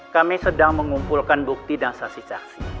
kami sedang mengumpulkan bukti dan saksi saksi